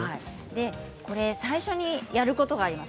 最初にやることがあります。